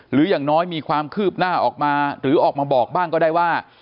อย่างน้อยมีความคืบหน้าออกมาหรือออกมาบอกบ้างก็ได้ว่า